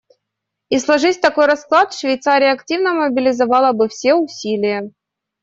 И сложись такой расклад, Швейцария активно мобилизовала бы свои усилия.